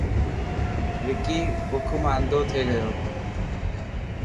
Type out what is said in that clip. وڪي بک مان انڌو ٿي گيو.